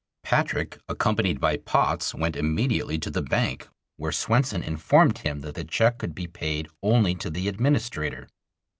Patrick, accompanied by Potts, went immediately to the bank, where Swenson informed him that the check could be paid only to the administrator.